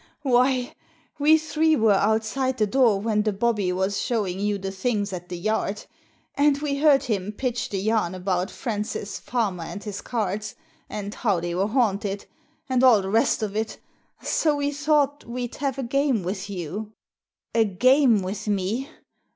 "Why, we three were outside the door when the bobby was showing you the things at the Yard, and we heard him pitch the yam about Francis Farmer and his cards, and how they were haunted, and all the rest of it, so we thought we'd have a game with you." "A game with me?